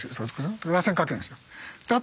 螺旋かけるんですよ。